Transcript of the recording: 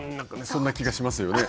そんな気がしますよね。